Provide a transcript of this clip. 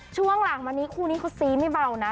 ช่วงหลังมานี้คู่นี้เขาซี้ไม่เบานะ